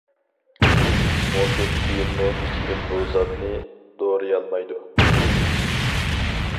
مۇندىن كېيىنمۇ ھېچكىم بۇ زاتنى دورىيالمايدۇ.